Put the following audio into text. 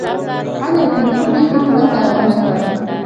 ان يو ټېلفون يې هم راته ونه کړ.